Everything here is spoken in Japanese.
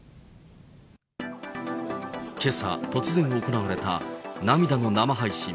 けさ突然行われた涙の生配信。